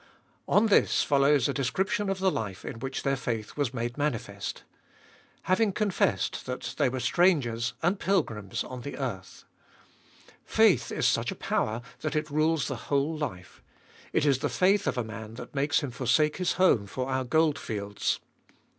On this follows a description of the life in which their faith was made manifest, Having confessed that they were strangers 1 Embraced. 440 abe IboUest ot 2111 and pilgrims on the earth. Faith is such a power that it rules the whole life. It is the faith of a man that makes him forsake his home for our goldfields.